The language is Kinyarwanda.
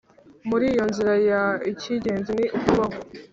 muri iyo nzira ya icy’ingenzi ni ukubaho